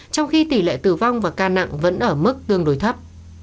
trong khi tỷ lệ tử vong và ca nặng vẫn ở mức tương đối thấp